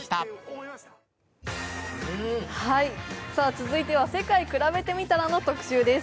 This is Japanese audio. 続いては「世界くらべてみたら」の特集です。